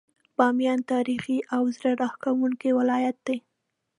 باميان تاريخي او زړه راښکونکی ولايت دی.